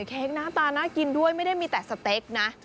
เค้กหน้าตาน่ากินด้วยไม่ได้มีแต่สเต็กนะ